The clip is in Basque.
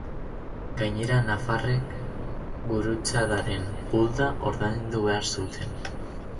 Gainera nafarrek Gurutzadaren bulda ordaindu behar zuten.